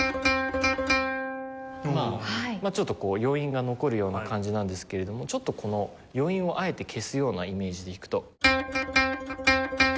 ちょっと余韻が残るような感じなんですけれどもちょっとこの余韻をあえて消すようなイメージで弾くと。